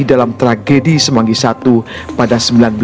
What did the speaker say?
dalam tragedi semanggi i pada seribu sembilan ratus sembilan puluh